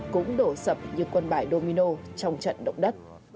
cũng đổ sập như quân bài domino trong trận động đất